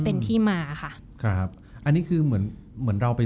เป็นที่มาค่ะครับอันนี้คือเหมือนเหมือนเราไป